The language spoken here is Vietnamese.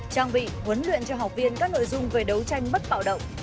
trang bị huấn luyện cho học viên các nội dung về đấu tranh bất bạo động